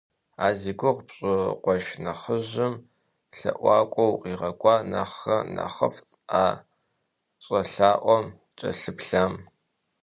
А зи гугъу пщӀы къуэш нэхъыжьым лъэӀуакӀуэ укъигъэкӀуа нэхърэ нэхъыфӀт а щӀэлъаӀуэм кӀэлъыплъам.